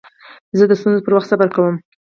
زه د ستونزو پر وخت صبر کوم.